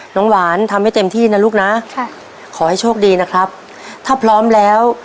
หวานทำให้เต็มที่นะลูกนะค่ะขอให้โชคดีนะครับถ้าพร้อมแล้ว